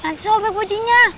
nanti sobek wajahnya